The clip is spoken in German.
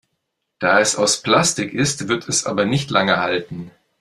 Da es aus Plastik ist, wird es aber nicht lange halten.